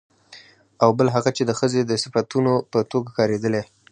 او بل هغه چې د ښځې د صفتونو په توګه کارېدلي